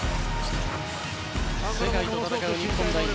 世界と戦う日本代表。